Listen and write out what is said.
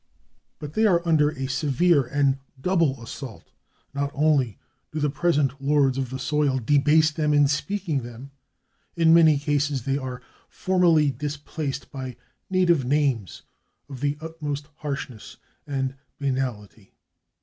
But they are under a severe and double assault. Not only do the present lords of the soil debase them in speaking them; in many cases they are formally displaced by native names of the utmost harshness and banality.